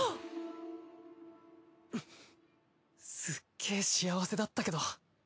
すっげぇ幸せだったけど。